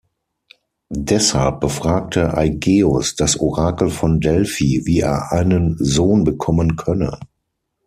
Deshalb befragte Aigeus das Orakel von Delphi, wie er einen Sohn bekommen könne.